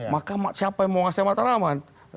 maka siapa yang mau ngasih mataraman